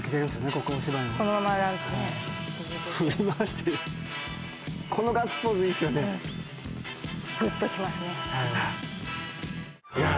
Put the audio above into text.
ここお芝居のこのまま振り回してるこのガッツポーズいいっすよねグッときますねいやー